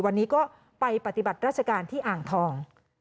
วันนี้ก็ไปปฏิบัติราชการที่อ่างทอง